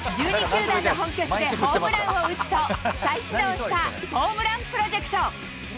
１２球団の本拠地でホームランを打つと、再始動したホームランプロジェクト。